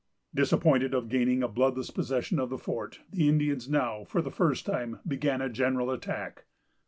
Disappointed of gaining a bloodless possession of the fort, the Indians now, for the first time, began a general attack.